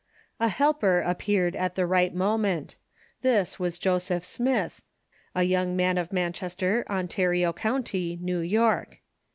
A helper appeared at the right moment. This was Joseph Smith, a young man of Manchester, Ontario County, New York.